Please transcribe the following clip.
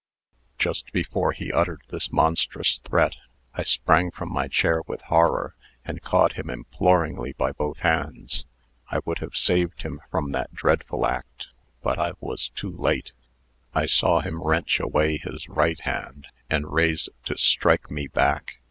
"Just before he uttered this monstrous threat, I sprang from my chair with horror, and caught him imploringly by both hands. I would have saved him from that dreadful act, but I was too late. I saw him wrench away his right hand, and raise it to strike me back....